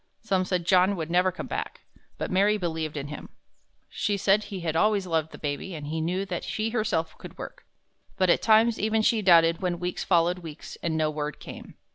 Some said John would never come back. But Mary believed in him. She said that he had always loved the baby and he knew that she herself could work. But at times even she doubted when weeks followed weeks and no word came.